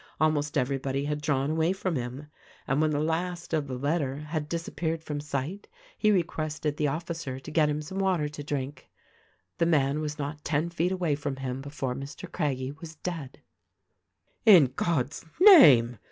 Almost every body had drawn away from him ; and when the last of the letter had disappeared from sight he requested the officer to get him some water to drink. The man was not ten feet away from him before Mr. Craggie was dead." "In God's name